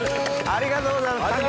ありがとうございます！